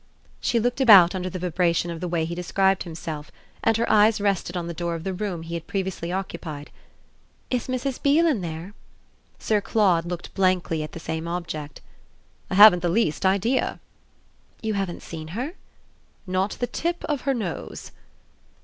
She looked about under the vibration of the way he described himself, and her eyes rested on the door of the room he had previously occupied. "Is Mrs. Beale in there?" Sir Claude looked blankly at the same object. "I haven't the least idea!" "You haven't seen her?" "Not the tip of her nose."